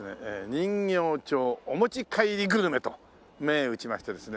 人形町お持ち帰りグルメと銘打ちましてですね。